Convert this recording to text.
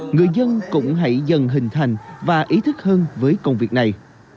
người dân cũng hãy dần hình thành và ý thức hơn với công việc này